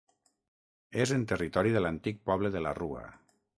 És en territori de l'antic poble de la Rua.